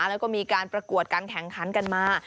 แล้วก็มีการประกวดการแข่งขันกันมา